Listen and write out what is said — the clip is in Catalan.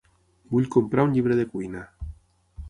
Vull comprar un llibre de cuina.